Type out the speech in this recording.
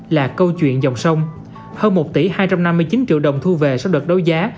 là câu chuyện dòng sông hơn một tỷ hai trăm năm mươi chín triệu đồng thu về sau đợt đấu giá